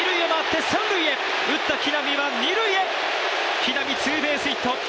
木浪、ツーベースヒット。